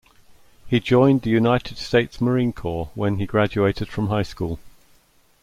He joined the United States Marine Corps when he graduated from high school.